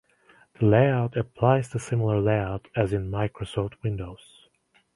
The layout applies the similar layout as in Microsoft Windows.